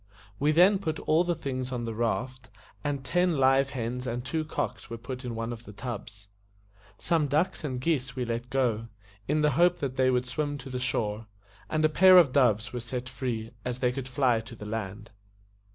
We then put all the things on the raft, and ten live hens and two cocks were put in one of the tubs. Some ducks and geese we let go, in the hope that they would swim to the shore; and a pair of doves were set free, as they could fly to the land.